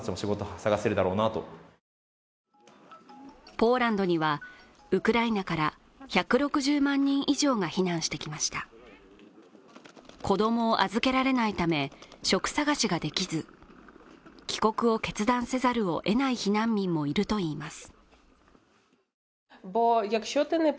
ポーランドにはウクライナから１６０万人以上が避難してきました子供を預けられないため職探しができず帰国を決断せざるを得ない避難民もいるといいます